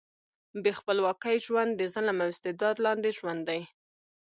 بې خپلواکۍ ژوند د ظلم او استبداد لاندې ژوند دی.